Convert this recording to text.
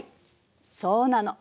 そうなの。